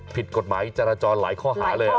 ผิดกฎหมายจราจรหลายข้อหาเลย